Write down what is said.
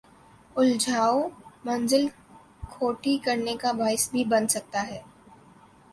الجھاؤ منزل کھوٹی کرنے کا باعث بھی بن سکتا ہے۔